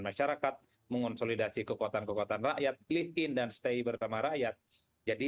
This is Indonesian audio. masyarakat mengonsolidasi kekuatan kekuatan rakyat live in dan stay bersama rakyat jadi